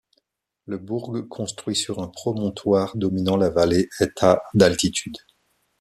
Le bourg, construit sur un promontoire dominant la vallée, est à d'altitude.